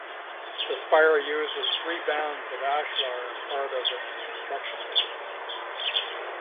The spire uses three bands of ashlar as part of its construction.